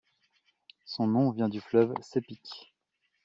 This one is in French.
Son nom vient du fleuve Sepik.